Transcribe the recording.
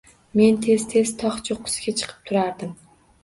– Men tez-tez tog‘ cho‘qqisiga chiqib turardim